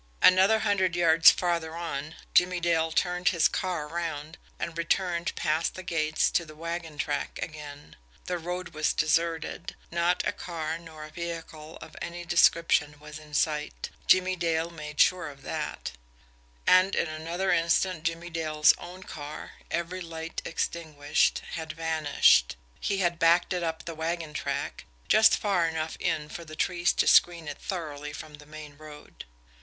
Another hundred yards farther on, Jimmie Dale turned his car around and returned past the gates to the wagon track again. The road was deserted not a car nor a vehicle of any description was in sight. Jimmie Dale made sure of that and in another instant Jimmie Dale's own car, every light extinguished, had vanished he had backed it up the wagon track, just far enough in for the trees to screen it thoroughly from the main road.